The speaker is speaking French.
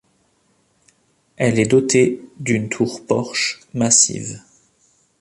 Elle est dotée d'une tour-porche massive.